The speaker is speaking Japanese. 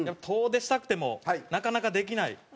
遠出したくてもなかなかできない。